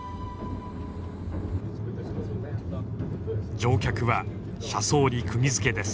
乗客は車窓にくぎづけです。